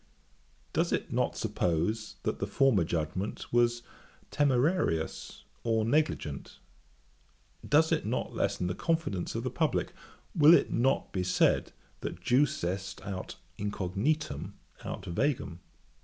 Does it not suppose, that the former judgement was temerarious or negligent? Does it not lessen the confidence of the publick? Will it not be said, that _jus est aut incognitum aut vagum?